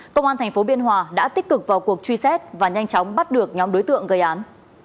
công an tp biên hòa đã tích cực vào cuộc truy xét và nhanh chóng bắt được nhóm đối tượng gây án